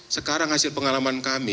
sekarang hasil pengalaman kami